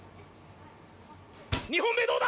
２本目どうだ？